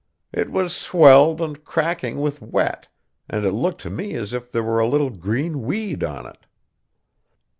It was swelled and cracking with wet, and it looked to me as if there were a little green weed on it.